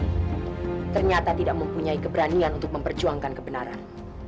sternyata tidak mempunyai keberanian untuk memperjuangkan kebenaran